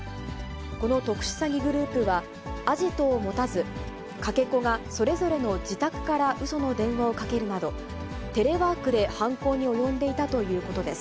この特殊詐欺グループは、アジトを持たず、かけ子がそれぞれの自宅からうその電話をかけるなど、テレワークで犯行に及んでいたということです。